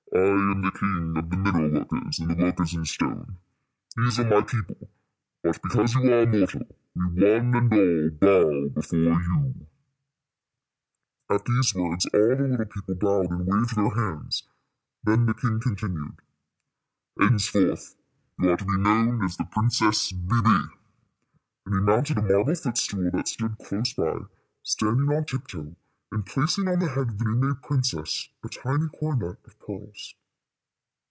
"I am the king of the mineral workers and the workers in stone. These are my people; but because you are a mortal, we one and all bow before you." At these words all the little people bowed and waved their hands. Then the king continued: "Henceforth you are to be known as the Princess Bébè;" and he mounted a marble footstool that stood close by, standing on tiptoe, and placing on the head of the new made princess a tiny coronet of pearls.